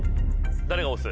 誰が押す？